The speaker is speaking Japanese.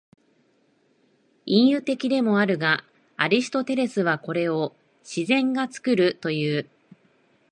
隠喩的でもあるが、アリストテレスはこれを「自然が作る」という。